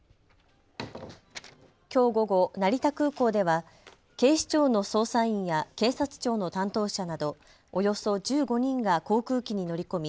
きょう午後、成田空港では警視庁の捜査員や警察庁の担当者などおよそ１５人が航空機に乗り込み